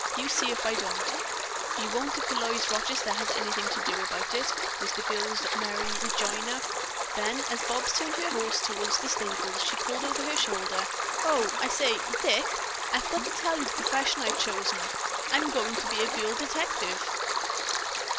You see if I don't." "You won't if Eloise Rochester has anything to say about it," was the girl's merry rejoinder. Then as Bobs turned her horse toward the stables, she called over her shoulder: "O, I say, Dick, I forgot to tell you the profession I've chosen. I'm going to a girl detective."